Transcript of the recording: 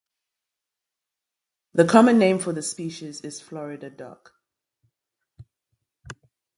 The common name for this species is Florida dock.